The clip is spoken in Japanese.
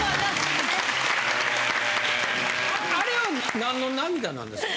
あれは何の涙なんですか？